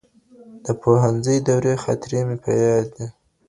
د پوهنځي دورې خاطرې مې په یاد دي.